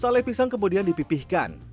salai pisang kemudian dipipihkan